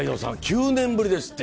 ９年ぶりですって。